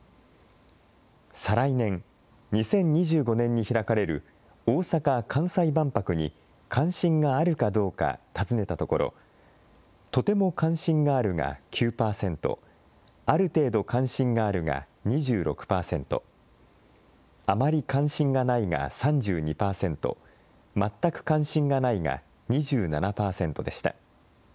再来年２０２５年に開かれる大阪・関西万博に関心があるかどうか尋ねたところとても関心があるが９％、ある程度関心があるが２６％、あまり関心がないが３２％、まったく関心がないが２７％でした。